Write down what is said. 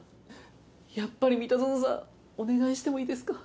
やっぱり三田園さんお願いしてもいいですか？